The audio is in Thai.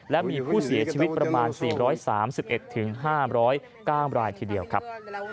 และมีผู้เสียชีวิตประมาณ๔๓๑๕๐๙รายทีเดียวครับ